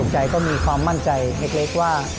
ช่วยฝังดินหรือกว่า